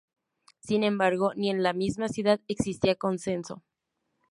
Sin embargo, ni en la misma ciudad existía consenso.